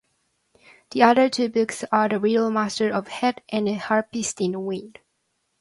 The other two books are "The Riddle-Master of Hed" and "Harpist in the Wind".